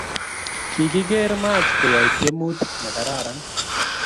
Kigigeer Mach koyae tyemutik negararan